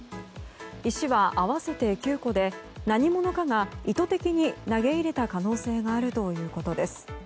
石は合わせて９個で、何者かが意図的に投げ入れた可能性があるということです。